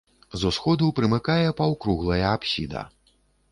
З усходу прымыкае паўкруглая апсіда.